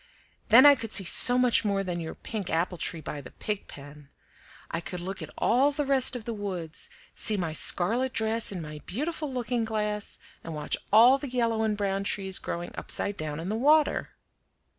"Then I could see so much more than your pink apple tree by the pig pen. I could look at all the rest of the woods, see my scarlet dress in my beautiful looking glass, and watch all the yellow and brown trees growing upside down in the water.